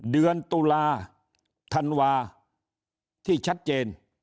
เดือนตุลาธันวาที่ชัดเจน